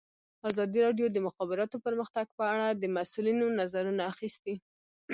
ازادي راډیو د د مخابراتو پرمختګ په اړه د مسؤلینو نظرونه اخیستي.